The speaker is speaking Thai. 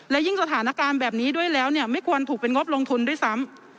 และยิ่งสถานการณ์แบบนี้ด้วยแล้วเนี่ยไม่ควรถูกเป็นงบลงทุนด้วยซ้ำ